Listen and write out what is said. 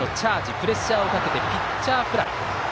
プレッシャーをかけてピッチャーフライ。